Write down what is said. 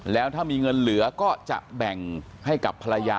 แล้วถ้ามีเงินเหลือก็จะแบ่งให้กับภรรยา